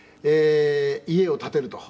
「家を建てると。